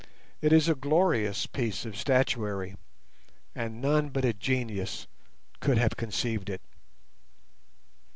It is a glorious piece of statuary, and none but a genius could have conceived it.